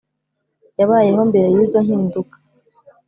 yabayeho mbere y’izo mpinduka